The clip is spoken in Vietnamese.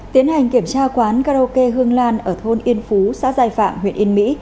tiến hành kiểm tra quán karaoke hương lan ở thôn yên phú xã giai phạm huyện yên mỹ